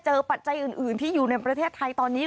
ปัจจัยอื่นที่อยู่ในประเทศไทยตอนนี้